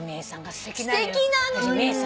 すてきなのよ。